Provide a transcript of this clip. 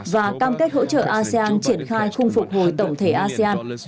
và cam kết hỗ trợ asean triển khai khung phục hồi tổng thể asean